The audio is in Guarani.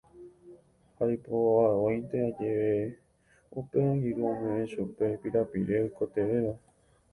Ha ipo'avoínte ajeve upe angirũ ome'ẽ chupe pirapire oikotevẽva